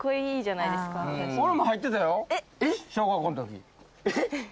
えっ？